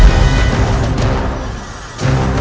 atau tentang kakaknya